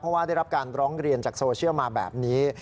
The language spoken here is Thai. เพราะว่าได้รับการร้องเรียนจากโซเชียลมาแบบนี้